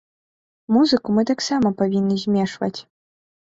Музыку мы таксама павінны змешваць.